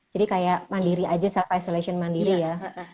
jadi kayak mandiri aja self isolation mandiri ya